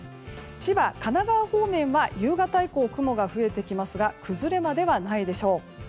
千葉、神奈川方面は夕方以降、雲が増えてきますが崩れまではないでしょう。